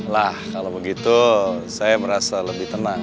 lah kalau begitu saya merasa lebih tenang